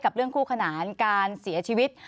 เรื่องคู่ขนานการเสียชีวิต